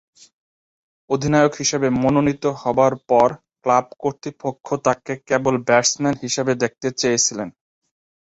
অধিনায়ক হিসেবে মনোনীত হবার পর ক্লাব কর্তৃপক্ষ তাকে কেবলমাত্র ব্যাটসম্যান হিসেবে দেখতে চেয়েছিলেন।